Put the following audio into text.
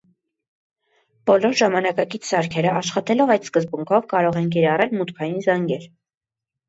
Բոլոր ժամանակակից սարքերը աշխատելով այդ սկզբունքով, կարող են կիրառել մուտքային զանգեր։